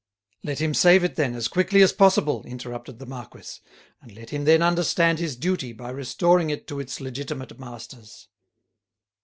"Let him save it, then, as quickly as possible," interrupted the marquis, "and let him then understand his duty by restoring it to its legitimate masters."